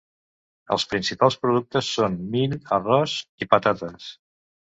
Els principals productes són mill, arròs i patates.